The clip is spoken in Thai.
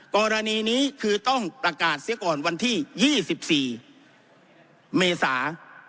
กรณีนี้คือต้องประกาศเสียก่อนวันที่๒๔เมษา